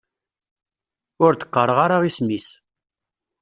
Ur d-qqareɣ ara isem-is.